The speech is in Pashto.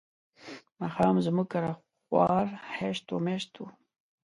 ماښام زموږ کره خوار هشت و مشت وو.